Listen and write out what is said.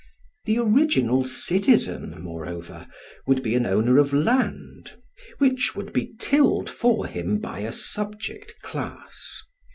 The original citizen, moreover, would be an owner of land, which would be tilled for him by a subject class.